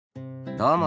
どうも。